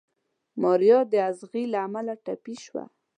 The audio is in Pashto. ماريا د اغزي له امله ټپي شوه.